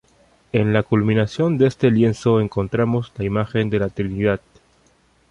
En la culminación de este lienzo encontramos la imagen de la Trinidad.